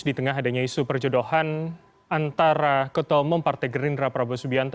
di tengah adanya isu perjodohan antara ketua umum partai gerindra prabowo subianto